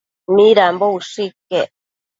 Midambo ushë iquec